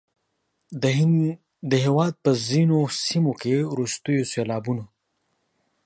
د هیواد په ځینو سیمو کې وروستیو سیلابونو